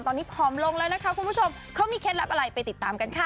ตอนนี้ผอมลงแล้วนะคะคุณผู้ชมเขามีเคล็ดลับอะไรไปติดตามกันค่ะ